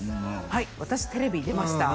「はい私テレビに出ました」